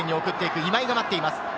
今井が待っています。